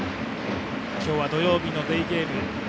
今日は土曜日のデーゲーム。